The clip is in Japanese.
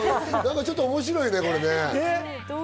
ちょっと面白いね、これ。